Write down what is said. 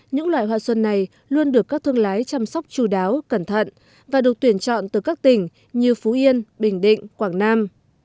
những loại hoa xuân này luôn được các thương lái chăm sóc chú đáo cẩn thận và được tuyển chọn từ các tỉnh như phú yên bình định quảng nam